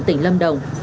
tỉnh lâm đồng